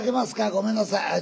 ごめんなさい。